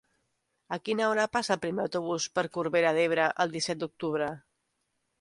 A quina hora passa el primer autobús per Corbera d'Ebre el disset d'octubre?